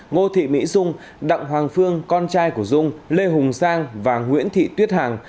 ngô thị mỹ dung đặng hoàng phương con trai của dung lê hùng giang và nguyễn thị tuyết hằng